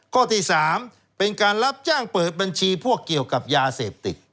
ข้อที่๓เป็นการรับจ้างเปิดบัญชีพวกเกี่ยวกับยาเสพติด